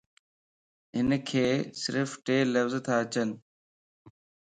ھنک صرف ٽي لفظ تا اچين